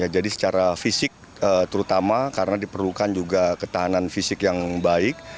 jadi secara fisik terutama karena diperlukan juga ketahanan fisik yang baik